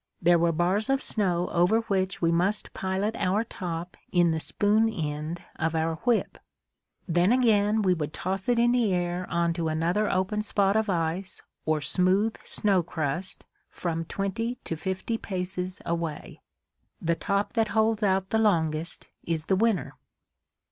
There were bars of snow over which we must pilot our top in the spoon end of our whip; then again we would toss it in the air on to another open spot of ice or smooth snow crust from twenty to fifty paces away. The top that holds out the longest is the winner.